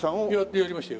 やりましたよ。